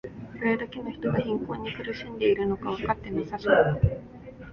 どれだけの人が貧困に苦しんでいるのかわかってなさそう